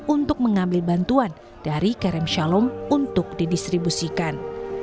untuk mengambil bantuan dari karen shalom untuk didistribusikan